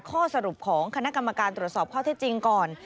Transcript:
ข้อสรุปของคณะกรรมการตรวจสอบข้อที่จริงก่อน